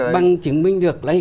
bằng chứng minh được